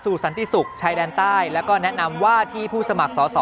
สันติศุกร์ชายแดนใต้แล้วก็แนะนำว่าที่ผู้สมัครสอสอ